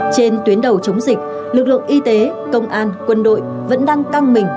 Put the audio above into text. trên tuyến đầu chống dịch lực lượng y tế công an quân đội vẫn đang căng mình